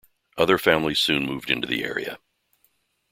Other families soon moved into the area.